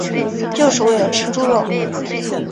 就是为了吃猪肉